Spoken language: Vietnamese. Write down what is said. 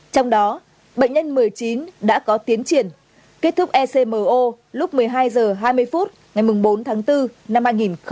trong đó bệnh nhân một mươi chín đã có tiến triển kết thúc ecmo lúc một mươi hai h hai mươi phút ngày bốn tháng bốn năm hai nghìn hai mươi